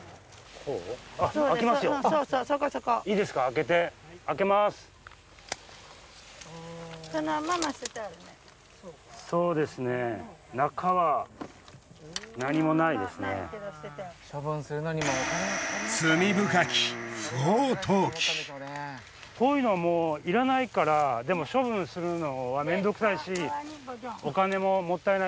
こういうのはもういらないからでも処分するのは。